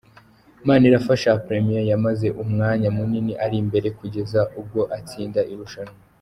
Manirafasha Premien yamaze umwanya munini ari imbere kugeza ubwo atsinda irushanwa.